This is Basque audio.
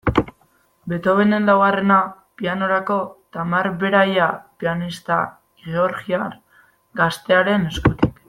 Beethovenen laugarrena, pianorako, Tamar Beraia pianista georgiar gaztearen eskutik.